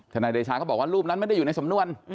นายเดชาเขาบอกว่ารูปนั้นไม่ได้อยู่ในสำนวน